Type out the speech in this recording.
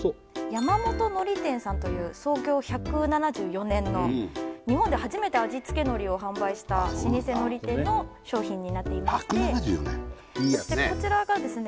山本海苔店さんという創業１７４年の日本で初めて味付け海苔を販売した老舗海苔店の商品になっていましてそしてこちらがですね